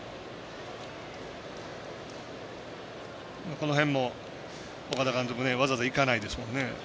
この辺も、岡田監督わざわざ行かないですもんね。